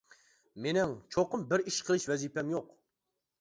مېنىڭ چوقۇم بىر ئىش قىلىش ۋەزىپەم يوق.